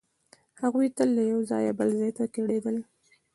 هغوی تل له یوه ځایه بل ځای ته کډېدل.